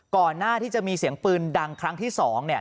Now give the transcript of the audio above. ก่อนหน้าที่จะมีเสียงปืนดังครั้งที่๒